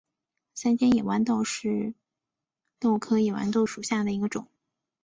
三尖野豌豆为豆科野豌豆属下的一个种。